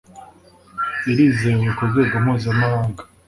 irizewe ku rwego mpuzamahanga